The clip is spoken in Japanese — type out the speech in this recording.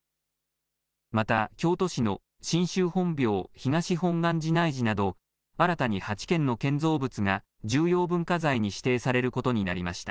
また京都市の真宗本廟東本願寺内事など、新たに８件の建造物が重要文化財に指定されることになりました。